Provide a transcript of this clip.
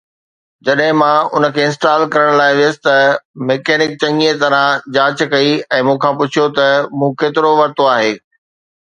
جڏهن مان ان کي انسٽال ڪرڻ لاءِ ويس ته ميڪنڪ چڱيءَ طرح جاچ ڪئي ۽ مون کان پڇيو ته مون ڪيترو ورتو آهي؟